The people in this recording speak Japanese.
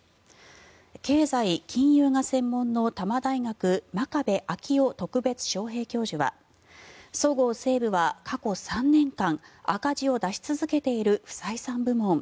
経済・金融が専門の多摩大学真壁昭夫特別招へい教授はそごう・西武は過去３年間赤字を出し続けている不採算部門。